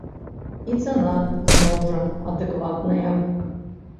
І цана зноў жа адэкватная.